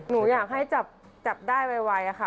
หนูอยากให้จับได้ไวค่ะ